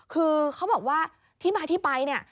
คือเขาบอกว่าที่มาที่ไปเนี่ย